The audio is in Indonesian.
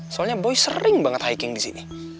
soalnya boy sering banget hiking disini